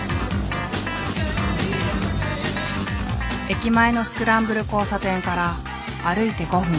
駅前のスクランブル交差点から歩いて５分。